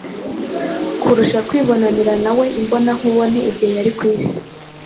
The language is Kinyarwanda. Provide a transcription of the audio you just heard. kurusha kwibonanira nawe imbona nkubone igihe yari ku isi.